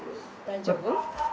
大丈夫？